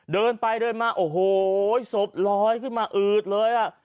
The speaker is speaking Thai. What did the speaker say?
เดินไปเดินมาโอ้โหศพลอยขึ้นมาอืดเลยอ่ะ